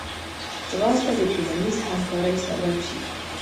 ځغاسته د ټولنیز همکارۍ سبب شي